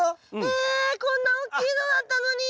えっこんな大きいのだったのに！